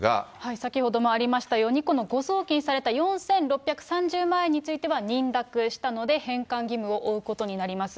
先ほどもありましたように、この誤送金された４６３０万円については、認諾したので返還義務を負うことになります。